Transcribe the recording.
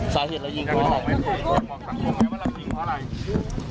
สายเห็นแล้วยิงเข้าออก